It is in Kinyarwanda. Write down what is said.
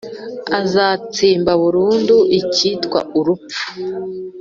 Azatsemba burundu icyitwa urupfu,